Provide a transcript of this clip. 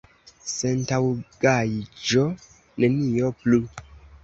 Sentaŭgaĵo, nenio plu!